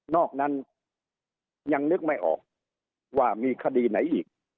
อกนั้นยังนึกไม่ออกว่ามีคดีไหนอีก